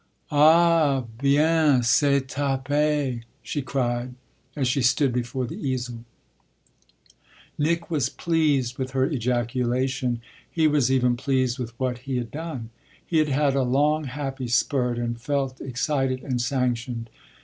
"Ah bien, c'est tapé!" she cried as she stood before the easel. Nick was pleased with her ejaculation, he was even pleased with what he had done; he had had a long, happy spurt and felt excited and sanctioned.